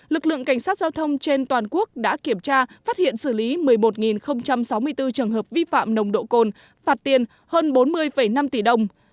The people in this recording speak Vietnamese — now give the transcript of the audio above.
lực lượng cảnh sát giao thông trên toàn quốc đã kiểm tra phát hiện xử lý một mươi một sáu mươi bốn trường hợp vi phạm nồng độ cồn phạt tiền hơn bốn mươi năm tỷ đồng